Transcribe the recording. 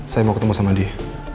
saya mau ketemu sama dia